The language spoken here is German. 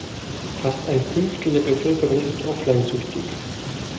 Fast ein Fünftel der Bevölkerung ist offline-süchtig.